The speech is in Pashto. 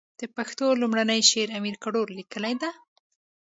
د پښتو لومړنی شعر امير کروړ ليکلی ده.